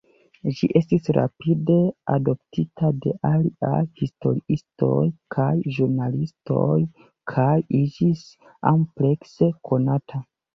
Ĝi estis rapide adoptita de aliaj historiistoj kaj ĵurnalistoj kaj iĝis amplekse konata.